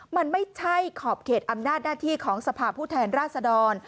มันไม่ใช่ขอบเขตอำนาจหน้าที่ของสภาพผู้แทนราษดร